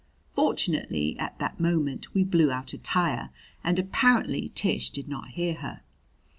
Fortunately at that moment we blew out a tire and apparently Tish did not hear her.